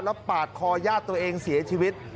แล้วปาดคอญาติตัวเองเสียชีวิต